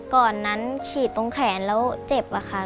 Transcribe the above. ก่อนนั้นขีดตรงแขนแล้วเจ็บอะค่ะ